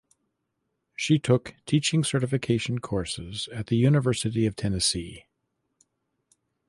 She took teaching certification courses at the University of Tennessee.